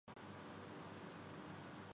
پاکستان کیلئے دورہ انگلینڈ ہمیشہ ٹف رہا اظہر علی